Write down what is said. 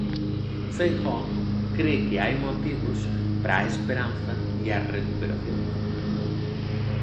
Feijóo cre que hai motivos para a esperanza e a recuperación.